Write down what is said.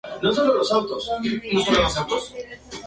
Franquicia Deportivo San Juan